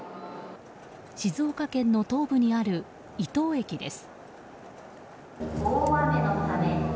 静岡県の東部にある伊東駅です。